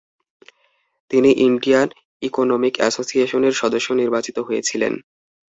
তিনি Indian economic অ্যাসোসিয়েশনের সদস্য নির্বাচিত হয়েছিলেন।